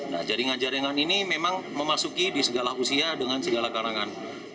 nah jaringan jaringan ini memang memasuki di segala usia dengan segala kalangan